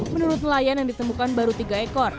menurut nelayan yang ditemukan baru tiga ekor